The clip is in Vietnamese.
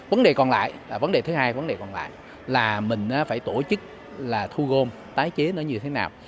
vấn đề còn lại vấn đề thứ hai vấn đề còn lại là mình phải tổ chức là thu gom tái chế nó như thế nào